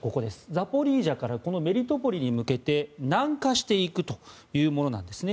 ザポリージャからここのメリトポリに向けて南下していくというものなんですね。